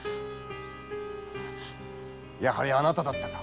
やはりあなただったか！